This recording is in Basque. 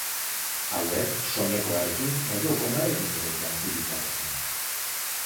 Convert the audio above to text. Hauek, soinekoarekin edo gonarekin ere jantzi ditzazkezu.